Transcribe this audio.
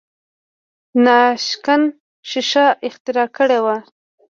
ناشکن ښیښه اختراع کړې وه.